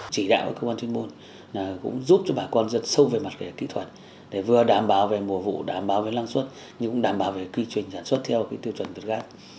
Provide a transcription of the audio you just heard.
chỉ đạo của cơ quan chuyên môn cũng giúp cho bà con dân sâu về mặt kỹ thuật để vừa đảm bảo về mùa vụ đảm bảo về năng suất nhưng cũng đảm bảo về quy trình sản xuất theo tiêu chuẩn việt gáp